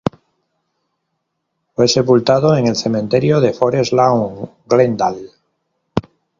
Fue sepultado en el cementerio de Forest Lawn, Glendale.